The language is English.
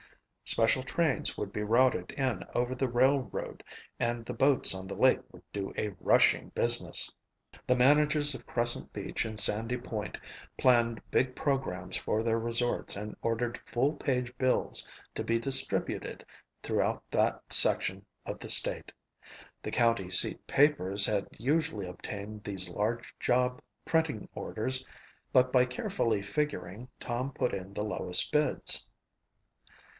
Special trains would be routed in over the railroad and the boats on the lake would do a rushing business. The managers of Crescent Beach and Sandy Point planned big programs for their resorts and ordered full page bills to be distributed throughout that section of the state. The county seat papers had usually obtained these large job printing orders but by carefully figuring, Tom put in the lowest bids.